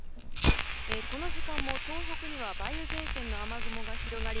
この時間も東北には梅雨前線の雨雲が広がり